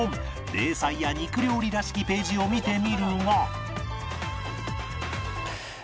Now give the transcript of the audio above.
冷菜や肉料理らしきページを見てみるが